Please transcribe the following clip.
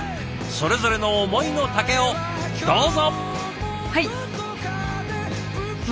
それぞれの思いの丈をどうぞ！